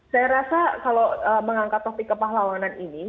saya rasa kalau mengangkat topik kepahlawanan ini